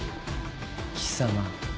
貴様。